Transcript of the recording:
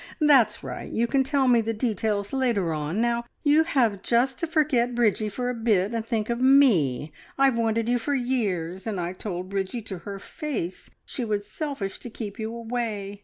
That's right. You can tell me the details later on. Now, you have just to forget Bridgie for a bit, and think of Me. I've wanted you for years, and I told Bridgie to her face she was selfish to keep you away.